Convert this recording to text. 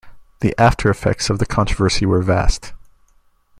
The after effects of the controversy were vast.